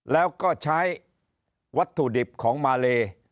แล้วก็ใช้วัตถุดิบของมาเล